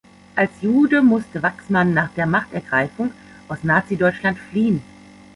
Als Jude musste Waxman nach der „Machtergreifung“ aus Nazideutschland fliehen.